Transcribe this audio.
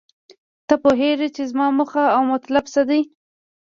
ته پوهیږې چې زما موخه او مطلب څه دی